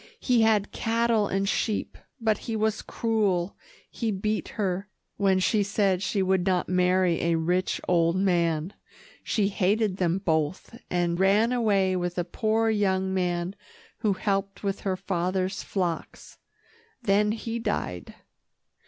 "He had cattle and sheep, but he was cruel. He beat her, when she said she would not marry a rich, old man. She hated them both, and ran away with a poor young man who helped with her father's flocks. Then he died."